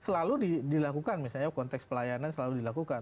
selalu dilakukan misalnya konteks pelayanan selalu dilakukan